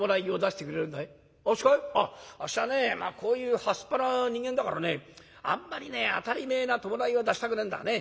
あっしはねこういうはすっぱな人間だからねあんまりね当たり前な葬式は出したくねえんだがね。